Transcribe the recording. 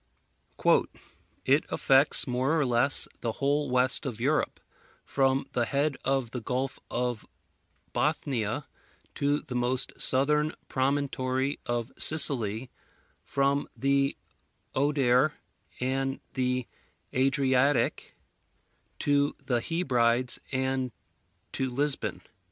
"It affects, more or less, the whole west of Europe, from the head of the Gulf of Bothnia to the most southern promontory of Sicily, from the Oder and the Adriatic to the Hebrides and to Lisbon.